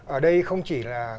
ở đây không chỉ là bức ảnh